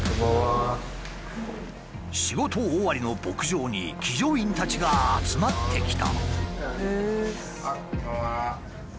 仕事終わりの牧場に騎乗員たちが集まってきた。